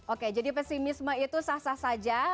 oke jadi pesimisme itu sah sah saja